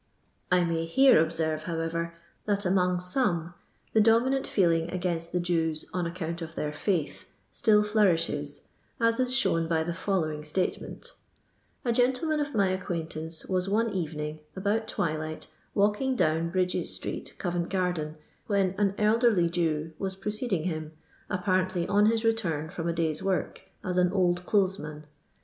I may here observe^ however, that among some the dominant feeling against the Jews on account of their fiiith still flourishes, as is shown by the following statement: — A gentleman of my acquaintance was one evening, about twUighty walking down Brydges street, Covent garden, when an elderly Jew was preceding him, apparently on his return from a day's work, as an old cloUiesman.